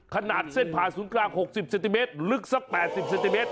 ขนาดเส้นผ่าศูนย์กลาง๖๐เซนติเมตรลึกสัก๘๐เซนติเมตร